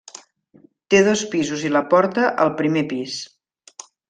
Té dos pisos i la porta al primer pis.